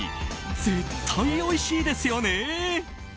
絶対おいしいですよね。